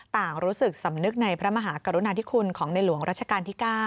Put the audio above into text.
ต่างรู้สึกสำนึกในพระมหากรุณาธิคุณของในหลวงรัชกาลที่๙